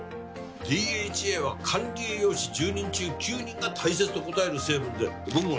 ＤＨＡは管理栄養士１０人中９人が大切と答える成分で僕もね